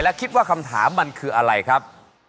และคิดว่าคำถามมันคืออะไรครับ